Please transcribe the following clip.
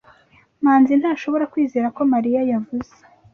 Manzi ntashobora kwizera ko Mariya yavuze.